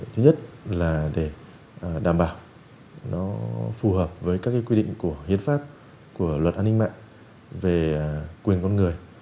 thứ nhất là để đảm bảo nó phù hợp với các quy định của hiến pháp của luật an ninh mạng về quyền con người